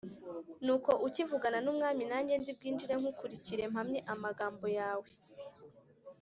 Nuko ukivugana n’umwami nanjye ndi bwinjire ngukurikire, mpamye amagambo yawe.”